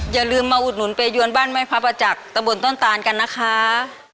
อย่าลืมมาอุดหนุนไปยวนบ้านแม่พระประจักษ์ตะบนต้นตานกันนะคะ